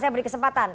saya beri kesempatan